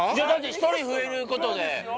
１人増えることで。